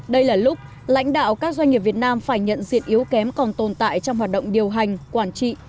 đây là lúc lãnh đạo các doanh nghiệp việt nam phải nhận diện yếu kém còn tồn tại trong hoạt động điều hành quản trị